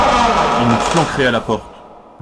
Ils nous flanqueraient à la porte !…